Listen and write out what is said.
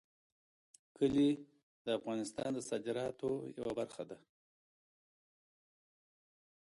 کلي د افغانستان د صادراتو یوه برخه ده.